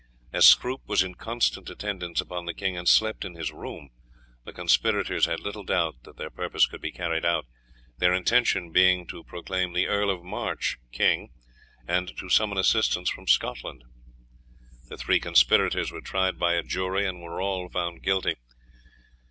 As Scroop was in constant attendance upon the king and slept in his room, the conspirators had little doubt that their purpose could be carried out, their intention being to proclaim the Earl of March king, and to summon assistance from Scotland. The three conspirators were tried by a jury and were all found guilty.